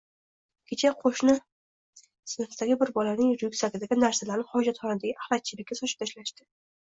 – Kecha qo‘shni sinfdagi bir bolaning ryukzagidagi narsalarni hojatxonadagi axlat chelakka sochib tashlashdi.